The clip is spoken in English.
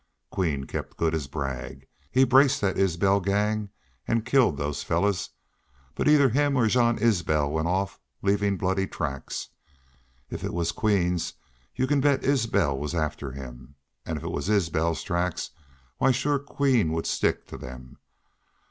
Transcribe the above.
Queen kept good his brag. He braced that Isbel gang an' killed those fellars. But either him or Jean Isbel went off leavin' bloody tracks. If it was Queen's y'u can bet Isbel was after him. An' if it was Isbel's tracks, why shore Queen would stick to them.